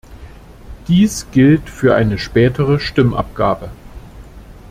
Dies gilt für eine spätere Stimmabgabe.